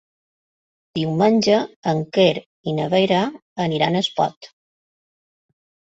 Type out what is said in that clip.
Diumenge en Quer i na Vera aniran a Espot.